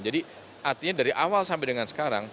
jadi artinya dari awal sampai dengan sekarang